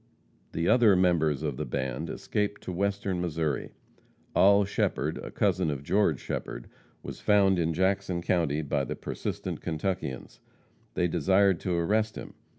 The other members of the band escaped to Western Missouri. Oll Shepherd, a cousin of George Shepherd, was found in Jackson county by the persistent Kentuckians. They desired to arrest him.